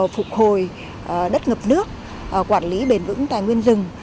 phục hồi đất ngập nước quản lý bền vững tài nguyên rừng